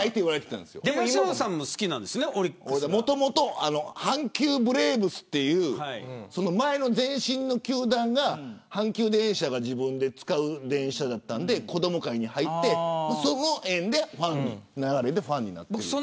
もともと阪急ブレーブスという前身の球団が阪急電車が自分が使う電車だったので子ども会に入ってその縁でファンになった。